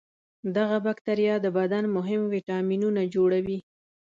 دغه بکتریا د بدن مهم ویتامینونه جوړوي.